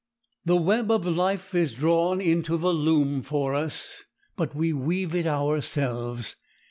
The web of life is drawn into the loom for us, but we weave it ourselves.